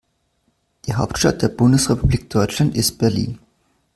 Die Hauptstadt der Bundesrepublik Deutschland ist Berlin